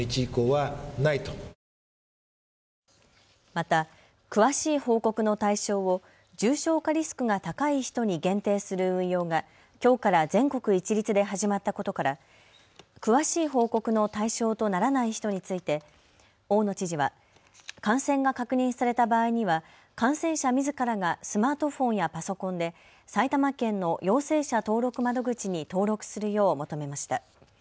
また詳しい報告の対象を重症化リスクが高い人に限定する運用がきょうから全国一律で始まったことから詳しい報告の対象とならない人について大野知事は、感染が確認された場合には感染者みずからがスマートフォンやパソコンで埼玉県の陽性者登録窓口に登録するよう求めました。